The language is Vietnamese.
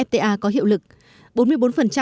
evfta có hiệu lực